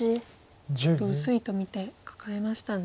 ちょっと薄いと見てカカえましたね。